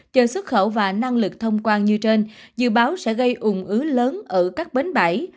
chờ xuất khẩu và năng lực thông quan như trên dự báo sẽ gây ủng ứ lớn ở các bến bãi